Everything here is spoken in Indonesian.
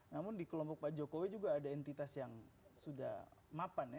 namun di kelompok pak jokowi juga ada entitas yang sudah mapan ya